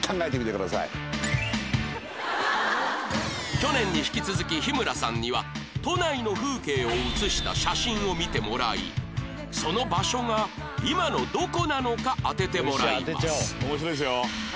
去年に引き続き日村さんには都内の風景を写した写真を見てもらいその場所が今のどこなのか当ててもらいます